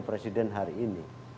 presiden hari ini